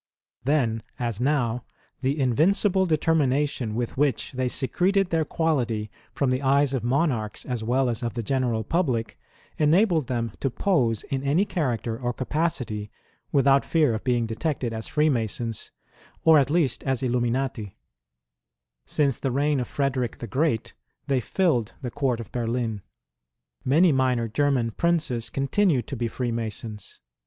Then, as now, the in vmcible determination with which they secreted their quality from the eyes of monarchs as well as of the general public, enabled them to iwse in any character or capacity without fear of being detected as Freemasons, or at least as Illuminati, Since the reign of Frederick the Great, they filled the Court of Berlin. Many minor German Princes continued to be Freemasons.